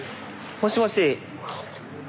もしもし。